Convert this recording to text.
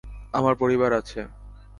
আমার পরিবার আছে।